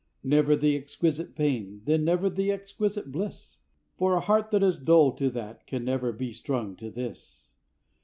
Never the exquisite pain, then never the exquisite bliss, For the heart that is dull to that can never be strung to this.